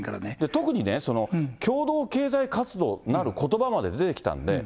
特にね、共同経済活動なることばまで出てきたんです。